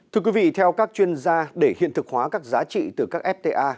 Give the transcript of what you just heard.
thưa quý vị theo các chuyên gia để hiện thực hóa các giá trị từ các fta